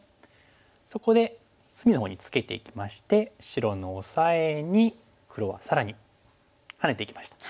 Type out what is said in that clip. そこで隅のほうにツケていきまして白のオサエに黒は更にハネていきました。